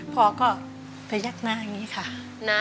พ่อก็พยักหน้าอย่างนี้ค่ะ